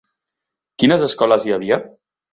Quines escoles hi havia?